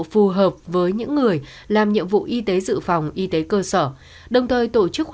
phù hợp với những người